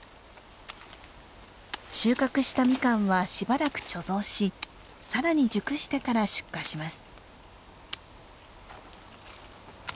収穫したミカンはしばらく貯蔵しさらに熟してから出荷します。